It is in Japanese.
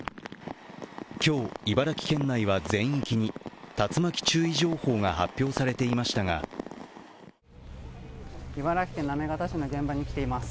今日、茨城県内は全域に竜巻注意情報が発表されていましたが茨城県行方市の現場に来ています。